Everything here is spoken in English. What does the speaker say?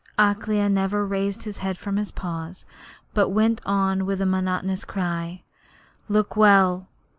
Akela never raised his head from his paws, but went on with the monotonous cry: 'Look well!'